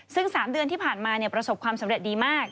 ซึ่ง๓เดือนที่ผ่านมาประสบความสำเร็จดีมาก